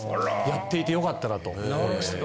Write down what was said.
やっていて良かったなと思いまして。